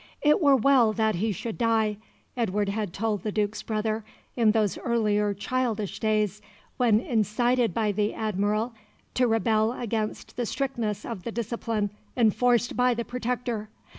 "It were well that he should die," Edward had told the Duke's brother in those earlier childish days when incited by the Admiral to rebel against the strictness of the discipline enforced by the Protector.